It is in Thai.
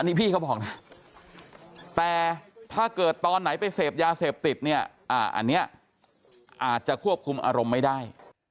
นี่พี่เขาบอกนะแต่ถ้าเกิดตอนไหนไปเสพยาเสพติดเนี่ยอันนี้อาจจะควบคุมอารมณ์ไม่ได้